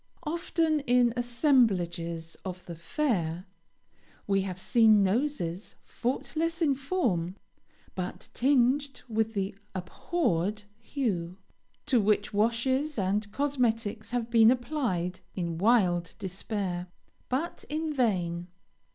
Often, in assemblages of the fair, we have seen noses faultless in form, but tinged with the abhorred hue, to which washes and cosmetics have been applied in wild despair; but in vain!